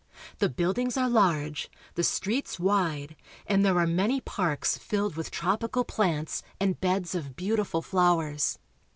The buildings are large, the streets wide, and there are many parks filled with tropical plants and beds of beautiful flowers.